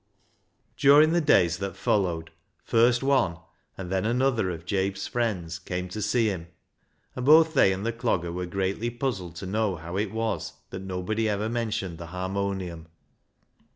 During the days that followed first one and then another of Jabe's friends came to see him, and both they and the Clogger were greatly puzzled to know how it was that nobody ever mentioned the harmonium.